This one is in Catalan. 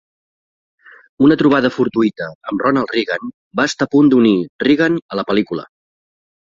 Una trobada fortuïta amb Ronald Reagan va estar a punt d'unir Reagan a la pel·lícula.